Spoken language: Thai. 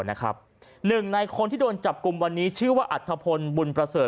หนึ่งในคนที่โดนจับกลุ่มวันนี้ชื่อว่าอัธพลบุญประเสริฐ